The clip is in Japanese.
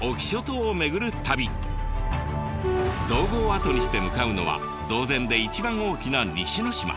島後を後にして向かうのは島前で一番大きな西ノ島。